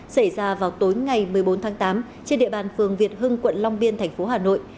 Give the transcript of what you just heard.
xảy ra vào tối ngày một mươi bốn tháng tám trên địa bàn phường việt hưng quận long biên thành phố hà nội